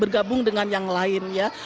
bergabung dengan yang lain ya